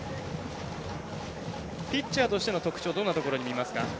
ピッチャーとしての特徴どんなところ見ますか？